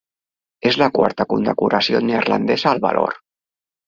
És la quarta condecoració neerlandesa al valor.